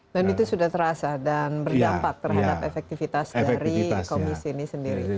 dan itu sudah terasa dan berdampak terhadap efektivitas dari komisi ini sendiri